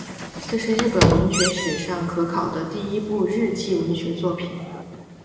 这是日本文学史上可考的第一部日记文学作品。